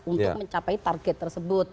untuk mencapai target tersebut